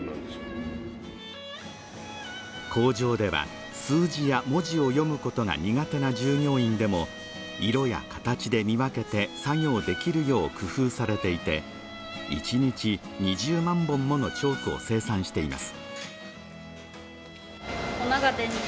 工場では数字や文字を読むことが苦手な従業員でも色や形で見分けて作業できるよう工夫されていて１日２０万本ものチョークを生産しています